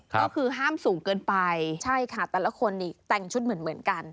ก็คือห้ามสูงเกินไปใช่ค่ะแต่ละคนนี่แต่งชุดเหมือนกัน